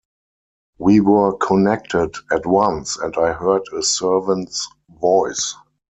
We were connected at once, and I heard a servant’s voice.